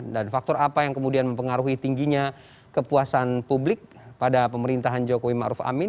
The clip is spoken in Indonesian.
dan faktor apa yang kemudian mempengaruhi tingginya kepuasan publik pada pemerintahan jokowi ma'ruf amin